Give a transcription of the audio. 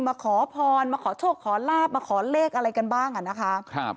มาขอพรมาขอโชคขอลาบมาขอเลขอะไรกันบ้างอ่ะนะคะครับ